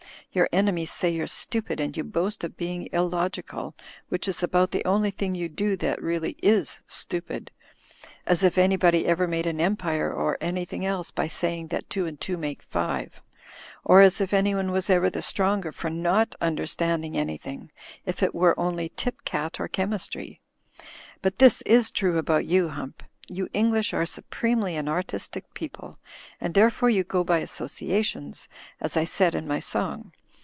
Your enemies say you're stupid, and you boast of being illogical — which is about the only thing you do that really is stupid. As if anybody ever made an Empire or anything else by saying that two and two make five. Or as if anyone was ever the stronger for not understanding anything — if it were only tip cat or chemistry. But this is true about you Hump. You English are supremely an artistic people, and therefore you go by associations, as I said in my song.